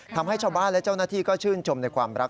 ทำให้ชาวบ้านและเจ้าหน้าที่ก็ชื่นชมในความรัก